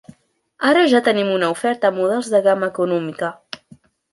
Ara ja tenim una oferta amb models de gamma econòmica.